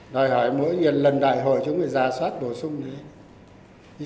đòi hỏi mỗi lần đại hội chúng phải giả soát bổ sung đấy